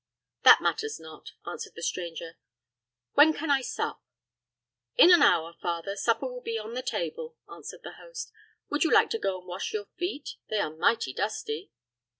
"That matters not," answered the stranger; "when can I sup?" "In an hour, father, supper will be on the table." answered the host. "Would you like to go and wash your feet; they are mighty dusty?"